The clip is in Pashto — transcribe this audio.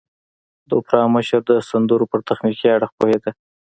د اوپرا مشر د سندرو پر تخنيکي اړخ پوهېده.